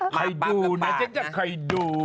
เคยดูนะเจ้าใครดู